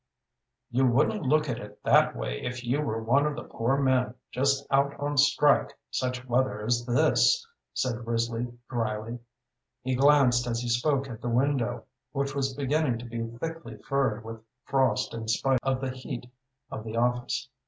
"You wouldn't look at it that way if you were one of the poor men just out on strike such weather as this," said Risley, dryly. He glanced as he spoke at the window, which was beginning to be thickly furred with frost in spite of the heat of the office.